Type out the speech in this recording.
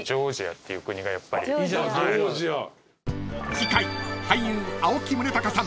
［次回］